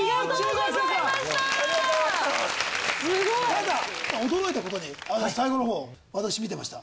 ただ驚いたことに最後の方私見てました。